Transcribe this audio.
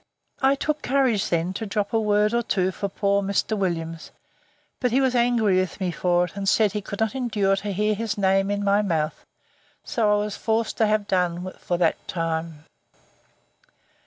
I took courage then to drop a word or two for poor Mr. Williams; but he was angry with me for it, and said he could not endure to hear his name in my mouth; so I was forced to have done for that time.